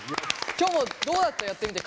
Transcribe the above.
きょもどうだったやってみて。